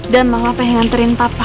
dan mbak mau pengen nganterin papa